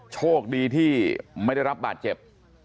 โชคดีที่ไม่ได้รับบาดเจ็บ